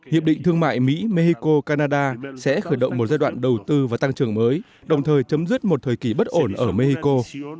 hiệp định thương mại mỹ mexico canada sẽ khởi động một giai đoạn đầu tư và tăng trưởng mới đồng thời chấm dứt một thời kỳ bất ổn ở mexico